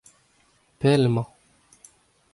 pell emañ.